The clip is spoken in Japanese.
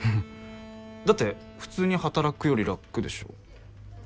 だって普通に働くより楽でしょ？